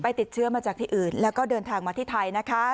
ติดเชื้อมาจากที่อื่นแล้วก็เดินทางมาที่ไทยนะคะ